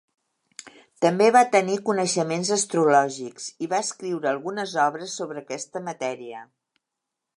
També va tenir coneixements astrològics i va escriure algunes obres sobre aquesta matèria.